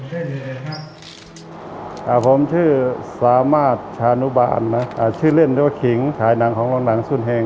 สวัสดีครับผมชื่อสามารถชานุบาลชื่อเล่นว่าขิงถ่ายหนังของโรงหนังสุ่นแห่ง